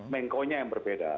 menko nya yang berbeda